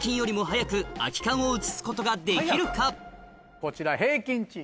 こちら平均値。